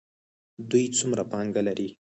دوی څومره پانګه لري؟